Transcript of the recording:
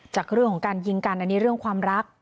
จากเรื่องของการยิงกันอันนี้เรื่องความรัก